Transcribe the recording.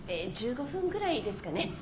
１５分ぐらいですかね。